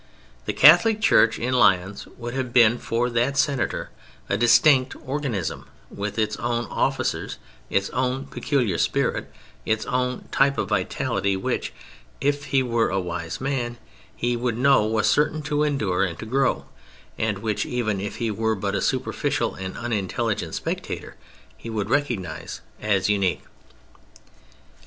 The Catholic Church in Lyons would have been for that Senator a distinct organism; with its own officers, its own peculiar spirit, its own type of vitality, which, if he were a wise man, he would know was certain to endure and to grow, and which even if he were but a superficial and unintelligent spectator, he would recognize as unique.